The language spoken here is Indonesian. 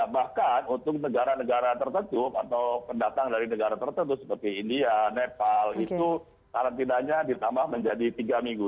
bahkan untuk negara negara tertentu atau pendatang dari negara tertentu seperti india nepal itu karantinanya ditambah menjadi tiga minggu